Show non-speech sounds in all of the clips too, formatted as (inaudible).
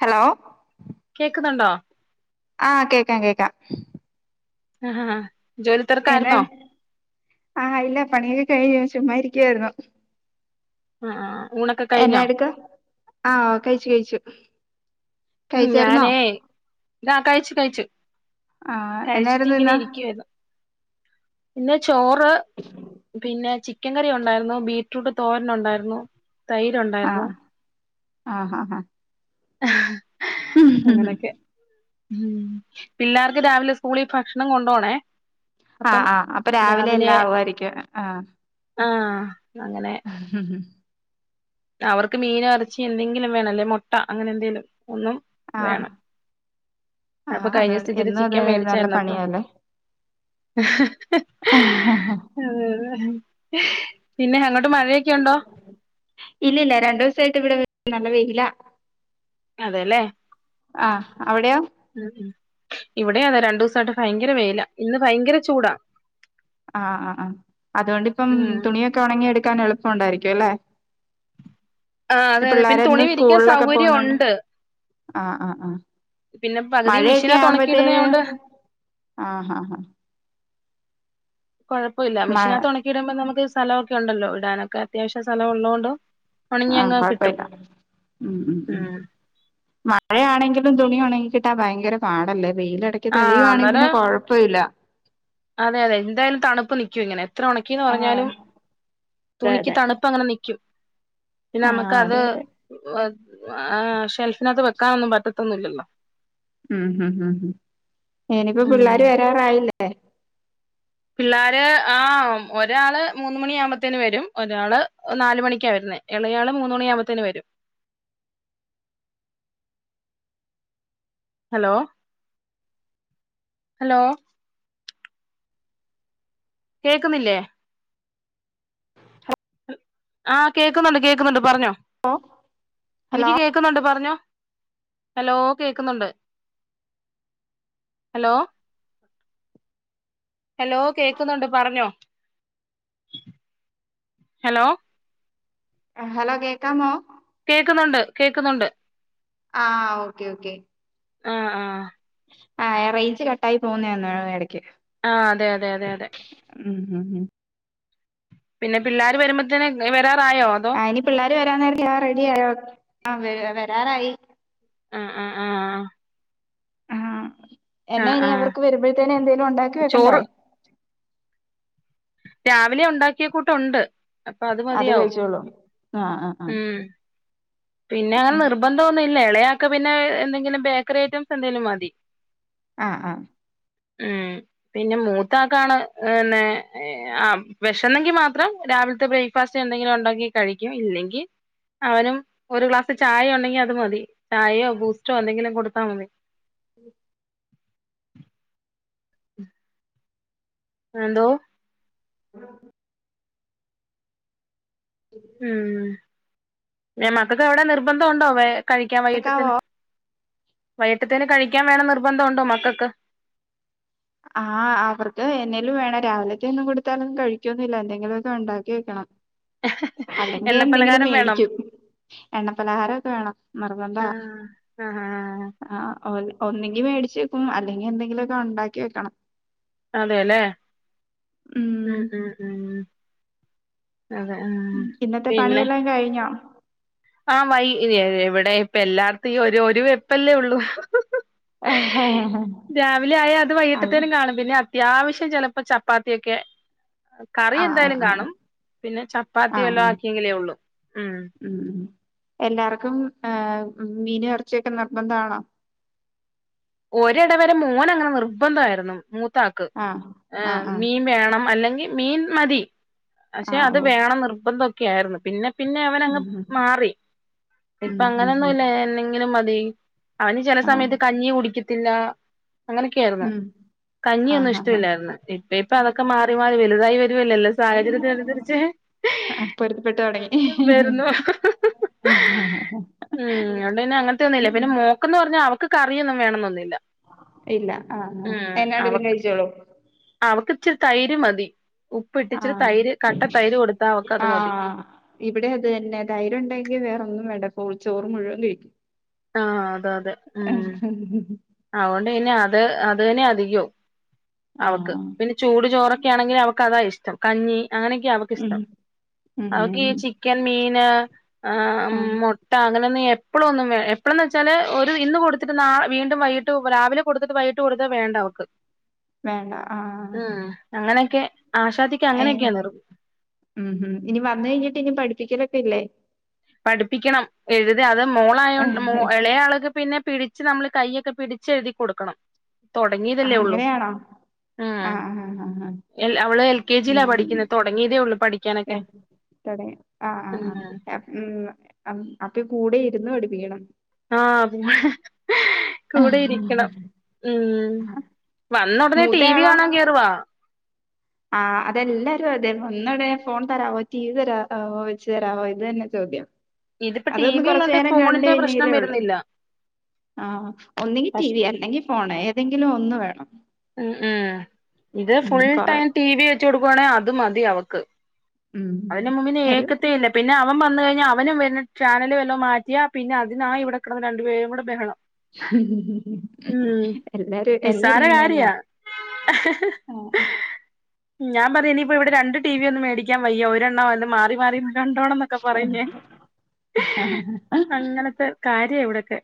Hello കേക്കുന്നുണ്ടോ ആ കേക്കാം കേക്കാം ആഹ് ആ- എന്നാ ആ ഇല്ല പണിയൊക്കെ കഴിഞ്ഞ് ചുമ്മായിരി ക്ക് ആരുന്നു- ആ ആ- എന്നാ എടുക്ക ആ കഴിച്ചു കഴിച്ചു ഉം കഴിച്ചായിരുന്നോ ഞാനേ- ആ കഴിച്ചു കഴിച്ചു- ആ കഴിച്ചിട്ട് എന്നായിരുന്നു ഇന്ന്- ഇന്ന്- ചോറ് പിന്നെ ചിക്കൻ കറി ഒണ്ടായിരുന്നു ബീറ്റ് രൂട്ട് തോരന് ഒണ്ടായിരുന്നു- തൈര് ഒണ്ടായിരുന്നു- ആഹ് ആഹ് ഹ് ഹാ- അങ്ങനൊക്കെ- ഉം പിള്ളാർക്ക് രാവിലെ സ്കൂളി ഭക്ഷണം കൊണ്ടോണേ. ആഹ് അപ്പം ആഹ് അപ്പൊ രാവിലെ എല്ല ആവു ആയിരിക്കും ആഹ് ആഹ് അങ്ങനെ (unintelligible) അവർക്ക് മീന് എർച്ചി എന്തെങ്കിലും വേണം അല്ലേ മുട്ട അങ്ങനെ എന്തെലും. എന്നും ആഹ് വേണം അപ്പൊ ആഹ് കഴിഞ്ഞോ അതുകൊണ്ട് സം ച്ചിരി എന്നും അത് ചിക്കൻ ഒരു നല്ല മേടിച്ചായിര്ന്നു അപ്പൊ. പണിയാല്ലേ (unintelligible) പിന്നെ അങ്ങോട്ട്. മഴയൊക്കെ ഉണ്ടോ ഇല്ലില്ല. രണ്ടോ ദിവസായിട്ട് ഇവിടെ നല്ല വെയിലാ. അതെല്ലേ ആഹ് അവിടെയോ ഉം ഉം ഇവിട് വ്ടെ അതെ രണ്ടോയിട്ട് ഭയങ്കര വെയില ഇന്ന് ഭയങ്കര ചൂടാ. ആഹ് ആഹ് ആഹ് അതുകൊണ്ടിപ്പം ഉം തുണിയൊക്കെ ഉണങ്ങി എട്ക്കാൻ. ക്കാൻ എളുപ്പം ഉണ്ടായിരിക്യും അല്ലേ? ആ അതെ അതെ പിന്നെ തുണി പിള്ളേരെന്നും സ്കൂൾ വിരിക്കാൻ ളൊക്കെ സൗകര്യം പോകുന്നോണ്ട് ഉണ്ട് ആഹ് ആഹ് ആഹ് പിന്നെ പകുതി മഴയൊക്കെ മെഷീനകത്ത് ആവുമ്പോത്തേ ഉണക്കിയിടുന്നയോണ്ട് ആഹ് ഹ ഹാ. കൊഴപ്പല്ല മഴ മെഷിനകത്ത് ഉണക്കി ഇടുമ്പോ നമുക്ക്. സ്ഥലമൊക്കെ ഉണ്ടല്ലോ ഇടാനൊക്കെ അത്യാവശ്യ സ്ഥലം ഉള്ളോ ണ്ട്. ആഹ് കൊഴപ്പല്ല ഉം ഉം ഉം മഴയാണെങ്കിലും. തുണി ഒണങ്ങി ക്കിട്ടാന് ഭയങ്കര പാടല്ലേ? വെയിലെടക്ക് ആ തെളിയുവാണെ അന്നേരം പിന്നെ കൊഴപ്പല്ല. അതെ അതെ എന്തായാലും തണുപ്പ് നിക്കും ഇങ്ങനെ എത്ര ഉണക്കി ന്ന് ആഹ് പറഞ്ഞാലും അതെ തുണിക്ക് അതെ തണുപ്പ് അങ്ങനെ നിക്കും. പിന്നെ നമക്ക് ആഹ് അത്. അതെ അതെ ആഹ് ഷെൽഫിനകത്ത് വെക്കാനൊന്നും പറ്റത്തൊന്നുംല്ലല്ലോ. ഉം ഇനിപ്പോ ഉം പിള്ളേര് വരാറായില്ലേ? (unintelligible) പിള്ളേര് ആഹ് ഒരാള് മൂന്ന് മണിയാവു മ്പോത്തേന് വരും ഒരാള് നാല് മണിക്കാ വരുന്നേ ഇളയാള് മൂന്ന് മണിയാവുമ്പോത്തേന് വരും. Hello hello. കേക്കുന്നില്ലേ. ആഹ് കേക്കുന്നുണ്ട് കേക്കുന്നുണ്ട് പറഞ്ഞോ. ഹലോ എനിക്ക് ഹലോ കേക്കുന്നുണ്ട് പറഞ്ഞോ. ഹലോ കേക്കുന്നുണ്ട് ഹലോ ഹലോ കേക്കുന്നുണ്ട് പറഞ്ഞോ ഹലോ. ഹലോ കേക്കാമോ? കേക്കുന്നൊണ്ട് കേക്കുന്നൊണ്ട്- ആ ഓക്കെ ഓക്കെ- ആ ആഹ് - ആ റേഞ്ച് കട്ടായി പോകുന്നേന്ന് എ ടയ്ക്ക്. ആ അതെ അതെ അതെ അതെ. ഉം ഉം ഉം. പിന്നെ പിള്ളാര് വരുമ്പത്ത്ന് വരാറായോ അതോ? ർ വരാ നേര ആ റെഡി ആയോ ആ വരാറായി. ആ ആ ആ. ആഹ് ആ എന്നാ ഇനി ആ അവർക്ക് വരുമ്പോഴത്തേനെ എന്തേലും ഉണ്ടാക്കി വെക്കണ്ടേ? ചോറ് രാവിലെ ഉണ്ടാക്കിയ കൂട്ട് ഉണ്ട്. അത് കഴിച്ചോളും ആ ആ ആ. ഉം പിന്നെ അങ്ങനെ നിർബന്ധം ഒന്നും ഇല് എളയാക്ക് പിന്നെ എന്തെങ്കിലും ബേക്കറി ഐറ്റംസ് എന്തെങ്കിലും മതി. ആ ആ ഉം പിന്നെ മൂത്താക്കാണ് ന്നെ ആ വെഷന്നെങ്കി മാത്രം രാവിൽത്തെ ബ്രേക്ക്ഫാസ്റ്റ് എന്തെങ്കിലും ഉണ്ടാ ക്കി കഴിക്കും ഇല്ലെങ്കിൽ അവനും ഒരു ഗ്ലാസ് ചായ ഉണ്ടെങ്കി അത് മതി. ചായയോ ബൂസ്റ്റോ എന്തെങ്കിലും കൊടുത്താ മതി. എന്തോ ഉം പിന്നെ മക്കക്ക് അവിടെ നിർബന്ധം ഉണ്ടോ വേ കഴിക്കാൻ കേക്കാവോ വൈകിട്ടത്തിന് വൈകിട്ടത്തേന് കഴിക്കാൻ വേറെ നിർബന്ധംണ്ടോ മക്കക്ക് ആ അവർക്ക് എന്നേലും വേണം രാവിലത്തെ ഒന്നും കൊടുത്താലൊന്നും കഴിക്കോന്നുമില്ല എന്തെങ്കിലു ഒക്കെ ഉണ്ടാക്കി വെക്കണം അല്ലെങ്കിൽ എണ്ണ എന്തെങ്കിലും പലഹാരം വേണം മേടിക്കും എണ്ണ പലഹാരംക്കെ വേണം നിർബന്താ ആ ആ ആ ഓ ഒന്നെങ്കിൽ മേടിച്ചേക്കും അല്ലെങ്കിൽ എന്തെങ്കിലുമ ഒക്കെ ഉണ്ടാക്ക ക്കിവക്കണം അതെല്ലേ ഉ ഉം ഉ ഉ ഉ ഉ ഇന്നത്തെ പിന്നെ പണിയെല്ലാം കഴിഞ്ഞോ ആ വൈ ഇവിടെ ഇപ്പ എല്ലാർത്ത ഒരു ഒരു വെപ്പല്ലേ ഉള്ളൂ ആഹ് രാവിലെ ആയ അത് ആഹ് വൈകിട്ടത്തേനും കാണും പിന്നെ അത്യാവശ്യം ചിലപ്പോ ചപ്പാത്തിയൊക്കെ കറി ആഹ് എന്തായാലും ആഹ് കാണും പിന്നെ ചപ്പാത്തി ആഹ് വല്ലോം ആക്കിയെങ്കിലേ ഉള്ളൂ ഉം ഉം എല്ലാർക്കും ഏ മീനും ഇറച്ചി ഒക്കെ നിർബന്ധമാണോ ഒരിടവരെ മോന് അങ്ങനെ നിർബന്ധമായിരുന്നു മൂ ക്ക് ആഹ് ആഹ് ആഹ് മീൻ വേണം അല്ലെങ്കിൽ മീൻ മതി അക്ഷെ ആഹ് അത് ഓ വേണം നിർബന്ധൊ ക്യാരന്ന് പിന്നെ പിന്നെ ഉം അവനങ്ങ് മാറി ഇപ്പ ഉം ഉം ഉം അങ്ങനൊന്നുല്ലേ എന്നെങ്കിലും മതി അയിന് ചെല ആഹ് സമയത്ത് കഞ്ഞി കുടി ക്കിത്തില്ലാ അങ്ങനക്യാര്ന്ന് ഉം കഞ്ഞി ഒന്നും ആഹ് ആഹ് ആഹ് ഇഷ്ടല്ലാര്ന്ന് ഇപ്പ ഇപ്പ അതൊക്കെ മാറി മാറി വെല്തായി വരുവല്ലേ എല്ലാ സാഹചര്യത്തിനന്സരിച്ച് ആഹ് പൊരുത്തപ്പെട്ടു തൊടങ്ങി വെര്ന്നൂ ആണ്ടുപിന്നെ അങ്ങനത്തൊന്നൂല്ല പിന്നെ മോക്കെന്ന് പറഞ്ഞാ അവക്ക് കറിയൊന്നും വേണനൊ ന്നില്ലാ ഇല്ലാ ആ ആ എല്ലാ (unintelligible) കഴിച്ചൊളും അവക്കിച്ചിരി തൈര് മതി ഉപ്പിട്ട് ആ ഇച്ചിരി തൈര് കട്ട തൈര് കൊടുത്താ അവക്കത് ആ മതി ഇവിടേം അത് അന്നെ തൈരുണ്ടെങ്കി വേറൊന്നും വേണ്ട ഓ ചോറ് മുഴുവൻ കഴിക്കും ആ അത് അതെ ആ ഓണ്ട് പിന്നെ അത് അ ത് അന്നേ അധികോം അവക്ക് ആഹ് പിന്നെ ചൂട് ചോറൊക്കെയാണെങ്കി അവ ക്കതാ ഇഷ്ടം കഞ്ഞി അങ്ങനെയക്കാ ഉം അവക്കിഷ്ടം ഉം അവക്കീ ഉം ചിക്കൻ മീൻ നാ ആ ഉം ആഹ് മൊട്ട അങ്ങനെ അപ്പോഴൊന്നും വേ എ ത്രേന്നെച്ചാല് ഒരു ഇന്ന് കൊടുത്തിട്ട് നാ വീണ്ടും വൈകിട്ട് രാവിലെ കൊടുത്തിട്ട് വൈകിട്ട് കൊടുത്താ വേണ്ടാവക്ക് വേണാ ആ അങ്ങനക്കെ ഐ (unintelligible) ഇനി പറഞ്ഞയിഞ്ഞിട്ട് ഇനി പഠി ഠിക്കലൊക്കെ ഇല്ലേ പഠിപ്പിക്കണം എഴ് (unintelligible) മോളായോ മോ എളേ ആള്ക്ക് പിന്നെ പിടിച്ച് നമ്മള് കൈയൊക്കെ പിടിച്ചെഴുതി കൊടുക്കണം ആ തൊടങ്ങീതല്ലേ ഒള്ളു അങ്ങനെയാണോ ആ ആ ആ ആ എൽ അവളെൽ ൽകേജീലാ പഠിക്ക്ന്നേ തൊടങ്ങീതെ ഒ ഇവള് പഠി (unintelligible) തൊടങ്ങീ ആ ആ ആ ഉം ആ (unintelligible) അപ്പൊ കൂടെ ഇരുന്ന് പടിപ്പിക്കണം ആഹ് കൂടെ ഇരിക്കണം ഉം ന് ഉടനെ ടി വി കാണാൻ കേറുവാ ആഹ് അതെല്ലാരും അതെ വന്നോടന്നേ ഫോൺ തരമോ ടി വി തരോ വെച്ചു തരവോ ഇത് തന്നെ ചോദ്യം ഇതിപ്പോ ടി അതൊന്ന് വി കൊറച്ചു ഉള്ളോണ്ട് നേരം കണ്ട് ഫോണിന്റെ പ്രശ്നം കഴിഞ്ഞെങ്കിലേ ഉള്ളു വരുന്നില്ല ആഹ് ഒന്നങ്കി ടി പക്ഷെ വി അല്ലെങ്കിൽ ഫോൺ ഏതെങ്കിലും ഒന്ന് വേണം ഉ ഉം ഇത് ഉം ഫുൾ കൊറേ ടൈം ടി വി വെച്ച്കൊടുക്കുവാണേ അത് മതി അവക്ക് ഉം അതിന്റെ മുമ്പിന്ന് എല്ലാരും ഏയ്ക്കത്തെ ഇല്ല പിന്നെ അവൻ മന്നു കഴിഞ്ഞാൽ അവനും വരുന്ന ചാനൽ വല്ലാം മാറ്റിയാ പിന്നെ അതിനായി ഇവിടെ കിടന്ന് രണ്ടുപേും കൂടെ ബഹളം ഉം എല്ലാരും എല്ലാരും നിസ്സാര ഇങ്ങനെന്നെയ. കാര്യാ ഞാൻ പറയന്ന് ഇപ്പ ഇവിടെ രണ്ട് ടി വി ഒന്ന് മേടിക്കാം വയ്യ ഒരെണ്ണാവ അത് മാറി മാറി കണ്ടോണം ന്നൊക്കെ ആ പറയും ഞാൻ അങ്ങനത്തെ കാര്യ അതെ എവിടക്കെ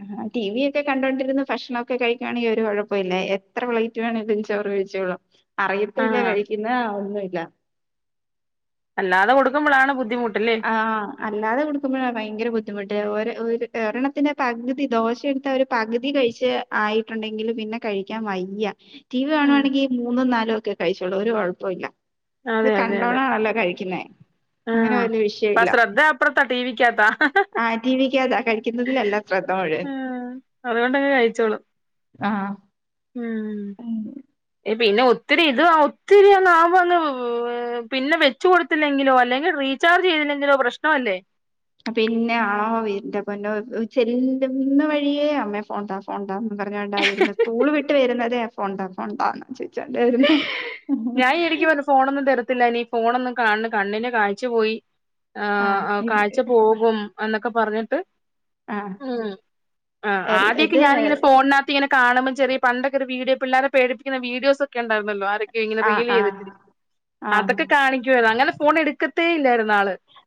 ആഹ് ടി വി ഒക്കെ കണ്ടൊണ്ടിരുന്ന് ഭക്ഷണംമൊക്കെ കഴിക്കുവാണെങ്കിൽ ഒരു കുഴപ്പ ഇല്ല എത്ര പ്ലേറ്റ് വേണങ്കിലും ചോറ് കഴിച്ചോളും. അറിയത്തില്ല ആഹ് കഴിക്കുന്ന ഒന്നും ല്ല അല്ലാതെ കൊടുക്കേപോഴാണ് ബുധി ആഹ് അല്ലാതെ കൊടുക്കുമ്പോഴാ ഭയഗര ബുദ്ധിമുട്ട് ഒരു ഒരണത്തിന്റെ ദോശ എടുത്താൽ പകുതികഴിച്ച് ആയിട്ടുണ്ടാങ്കിൽ പിന്നെ കഴിക്കാൻ വയ്യാ ടി വി ഉം കാണുവാണക്കിൽ മൂന്നോ നാലോ ഒക്കെ കഴിച്ചോളും ഒരു കൊഴപ്പില്ല ഇത് അതെ അതെ അതെ കണ്ടോടാണ് അല്ലെ കഴിക്കുന്നേ അങ്ങനെ ആഹ് വലിയ ഇപ്പ വിഷയമില്ല സെദ്ദ അപ്പർത്തെ ടി വിക്കാത്ത ആ ടി വിക്കകത്താ കഴിക്കുന്നതിലല്ല ശ്രദ്ധ മുഴുവൻ ആഹ് അതുകൊണ്ട് അങ്ങ് കഴിച്ചോളും ആഹ് മം മം പിന്നെ ഒത്തിരി ഇത് ഒത്തിരിയങ്ങാമ്പോ ഒന്ന് പിന്നെ വെച്ചുകൊടുത്തില്ലങ്കില്ലോ അല്ലെഗിൽ റീചാർജ് ചെയ്തില്ലങ്കിലോ പ്രശ്നമല്ലെ പിന്നെ ആണോ എന്റെ പൊന്നോചെല്ലുന്ന വഴിയേ അമ്മേ ഫോൺ താ ഫോൺ താ എന്നും പറഞ്ഞോണ്ടാ വരുന്നത് സ്കൂള് വിട്ട് വരുന്നതേ ഫോൺത്താ ഫോൺത്താ എന്ന് ചോ ച്ചോണ്ട വരുന്നേ തില്ല ഇനി ഫോൺ ഒന്നും കണ്ണേ കാണ്ണിന്ന് കാഴ്ച പോയി ആ ആഹ് ആഹ് ഇത് കാഴ്ച പോകും എന്നൊ ഒക്ക പറഞ്ഞിട്ട് ആ ഉം ആഹ് എൽ- ആദ്യൊക്കെ ഇത് ഞാനിങ്ങനെ ഫോണിനാത്ത് ഇങ്ങനെ കാണുമ്പം ചെറിയ പണ്ടൊക്കെ ഒരു വീഡിയോ പിള്ളാരെ പേടിപ്പിക്കുന്ന വീഡിയോസ് യ്ക്കണ്ടാരുന്നല്ലോ ആര് ഇങ്ങനെ ആ ആ റിയല്ചെയ്ത് ആ അതക്കെ കാണിക്കുവ അങ്ങനെ സ് ഫോണെടുക്കത്തെ ഇല്ലാരുന്ന്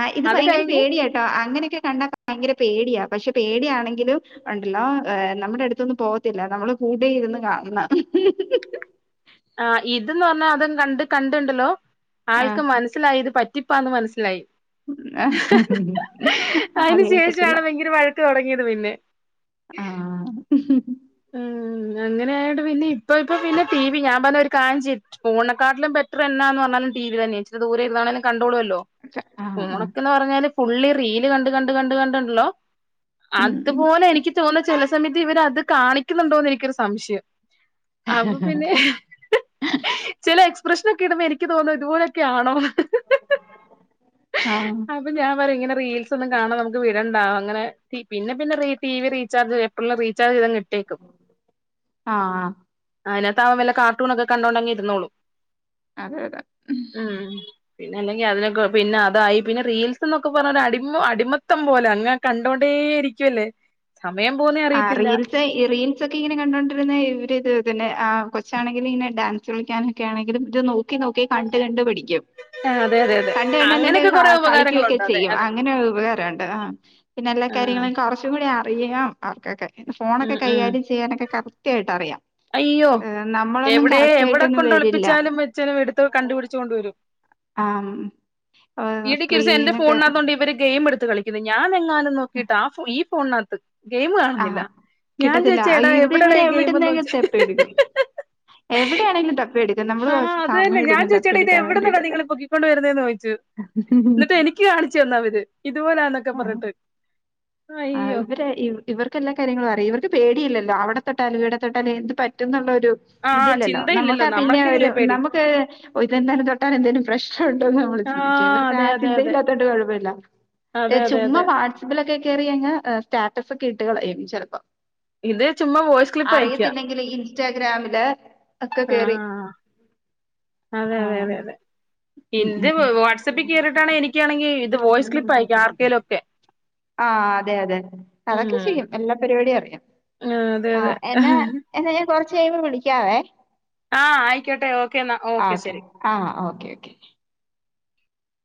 ആഹ് ഇത് ഭയകര പേടിയാട്ടോ അങ്ങനൊക്കെ കണ്ടാ പയ്ങ്കര പേടിയാ പക്ഷെ പേടിയാണെങ്കിലും ഉണ്ടല്ലോ ഏഹ് നമ്മുടെ അടുത്തുന്നു പോകത്തില്ല നമ്മള് കൂടെ ഇരുന്ന് കാണണം ആഹ് ഇതെന്ന് പറഞ്ഞാ അതങ്ങ് കണ്ട് കണ്ട്ണ്ടല്ലോ ആ ആൾക്ക് മനസിലായി ഇത് പറ്റ് റ്റിപ്പാന്ന് മനസിലായി ഉം അത് ഇനി കിട്ടില്ല ത് പിന്നെ ആഹ് ഉം അങ്ങനെ ആയോണ്ട് പിന്നെ ഇപ്പൊ ഇപ്പൊ പിന്നെ ടി വി ഞാൻ പറഞ്ഞൊരു കാഞ്ചി ഫോണിനെ കാട്ടിലും ബെറ്ററ് എന്നന്ന് പറഞ്ഞാലും ടി വി തന്നെ ഇച്ചിരി ദൂരെ ഇരുന്നാണേന്നാലും കൺ ഡോളുവല്ലോ ആ ആ ഫോണൊക്കെന്ന് പറഞ്ഞാല് ഫുൾ ഈ റീല് കണ്ട് കണ്ട് കണ്ട് ഉണ്ടല്ലോ ഉം അതും ഉം തന്നിട്ട് ഇവരത് കാണിക്കുന്നുണ്ടോന്ന് എനിക്കൊരു സംശയം അപ്പൊ പിന്നെ ഹ ഹാ ചിലപ്പോ പ്രെശ്നോക്കിടുമ്പോ എനിക്ക് തോന്നും ഇതുപോലൊക്കെ ആണോന്ന് ആ ആഹ് പിന്നെ അങ്ങനെ തി പിന്ന പിന്ന റി ടി വി റീചാർജ്‌ ചെ ആന്ന് റീചാർജ്‌ ചെയ്തങ്ങ് ഇട് ആഹ് ആഹ് അയ്നാത്ത് അവൻ വല്ല കാർട്ടൂണക്കെ കണ്ടോണ്ടങ്ങ് ഇരുന്നോളും അതെ അതെ ഉം പിന്നല്ലെങ്കി അതിനൊക്കെ പിന്നെ അതായി സമയം പോകുന്നേ ആഹ് അറിയത്തില്ല റീൽസെ ഈ റീൽ ഇപ്പൊക്കെ ഇങ്ങനെ കണ്ടൊണ്ടിരുന്ന ഇവരിത് ഇതിനെ ആഹ് കൊച്ചാണെങ്കിലും ഇങ്ങനെ ഡാൻസ്കളിക്കാനക്കെ ആണെങ്കിലും ഇത് നോക്കി നോക്കി കണ്ട് കണ്ട് പടി ആ അതെ അതെ അതെ അങ്ങനെയൊക്കെ കൊറെ ഉപകാരങ്ങളുണ്ട് അതെ അതെ ആ (unintelligible) (unintelligible) (unintelligible) ഉം ഫോണൊക്കെ ഉം കൈകാര്യം ചെയ്യാൻ കറക്റ്റ് ആയിട്ടറിയാം അയ്യോ എവിടെ കൊണ്ടോയി വരില്ല ഒളിപ്പിച്ചാലും വെച്ചാലും എടുത്ത് കണ്ടു പിടിച്ചു കൊണ്ട് വരും ആ ഈ ഇടക്ക് ഉണ്ട് എന്റെ സ്ക്രീനൊക്കെ ഫോണിന്റെ അടുത്ത് (unintelligible) (unintelligible) ഫോൺനാത്ത് ഗെയിം ആ കാണുന്നില്ല. ഞാൻ ചോദിച്ചു എവിടാടാ ഗെയിം ഒന്ന് പ്പിയെടുക്കും. എവിടെ ആണെങ്കിലും തപ്പി എടുക്കും ആ.. അതുതന്നെ ഞാൻ ചോദിച്ചു ഡാ തപ്പിയെടുക്കാൻ ഇതെവിടുന്നാ വേണ്ടിട്ട്. നിങ്ങൾ പൊക്കിക്കൊണ്ട്വരുന്നേ ചോദിച്ച് എന്നിട്ട് എനിക്ക് കാണിച്ചു തന്നു അവിരെ ഇതുപോലെ അന്നൊക്കെ പറഞ്ഞിട്ട് അഹ് അയ്യോ ഇവരെ ഇവർക്ക് എല്ലാ കാര്യങ്ങളും അറിയാം ഇവർക്ക് പേടി ഇല്ലല്ലോ അവിടെ തൊട്ടാലും ഇവിടെ തൊട്ടാലും എന്ത് പറ്റും ന്നുള്ള ഒരു ആഹ് ഇതല്ലല്ലോ ചിന്തയില്ലല്ലോ നമ്മൾക്കൊക്കെല്ലേ പേടി ആഹ് അതെ അതെ അതെ അതെ അതെ അതെ സ്റ്റാറ്റസ് ഒക്കെ ഇടും ഇത് ചുമ്മാ വോയിസ്‌ ക്ലിപ്പ് അയ ഇൻസ്റ്റാഗ്രാമില് ഒക്കെ ആ കേറി ആ ആ അതെ ആഹ് തെ തെ ഉം ഇത് ഉം വാട്സാപ്പിൽ കേറി ട്ടാണെങ്കിൽ വോയിസ്‌ ക്ലിപ്പ് അയക്കാം ആർക്കേലൊക്കെ ആ അതെ തെ അതൊക്കെ ചെയ്യും എല്ലാ പരിപാടിയും അറിയാം അതെ അതെ എന്നാ എ കൊറച്ച് കഴിയുമ്പാ വിളിക്കവേ ആ ആയിക്കോട്ടെ ഓക്കേ ന്നാ ഓക്കേ ശെരി ഓക്കേ